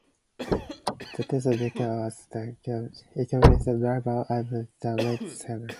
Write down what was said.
The tested vehicle was equipped with standard driver airbag and regular seatbelts.